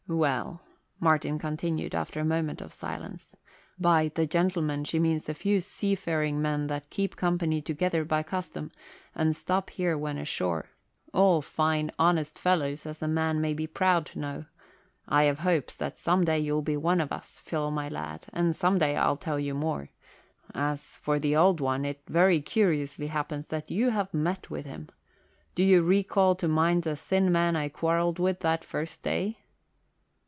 "Well," Martin continued after a moment of silence, "by 'the gentlemen' she means a few seafaring men that keep company together by custom and stop here when ashore all fine, honest fellows as a man may be proud to know. I have hopes that some day you'll be one of us, Phil my lad, and some day I'll tell you more. As for the Old One, it very curiously happens that you have met with him. Do you recall to mind the thin man I quarrelled with, that first day?"